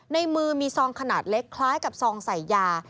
ในมือมีซองขนาดเล็กคล้ายกับซองใส่ยา